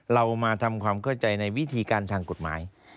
เรามาทำความเข้าใจในวิธีการทางกฎหมาย